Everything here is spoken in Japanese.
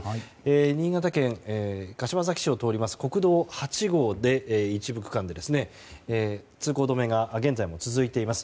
新潟県柏崎市を通る国道８号の一部区間で通行止めが現在も続いています。